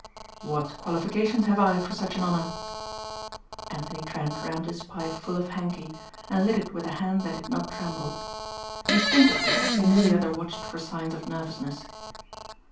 "What qualifications have I for such an honor?" Anthony Trent rammed his pipe full of Hankey and lit it with a hand that did not tremble. Instinctively he knew the other watched for signs of nervousness.